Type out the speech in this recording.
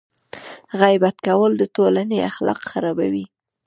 غیبت کول د ټولنې اخلاق خرابوي.